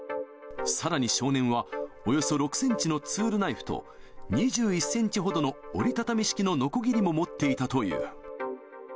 さらに少年は、およそ６センチのツールナイフと２１センチほどの折り畳み式ののこぎりも持っていたという。